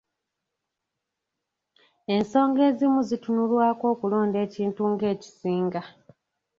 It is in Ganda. Ensonga ezimu zitunulwako okulonda ekintu ng'ekisinga.